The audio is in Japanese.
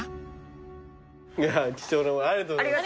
貴重なものをありがとうございました。